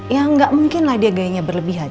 ya nggak mungkin lah dia gayanya berlebihan